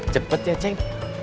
cepet ya ceng